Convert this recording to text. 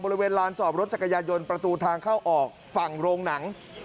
บริเวณลานจอบรถจักรยายนประตูทางเข้าออกฝั่งโรงหนัง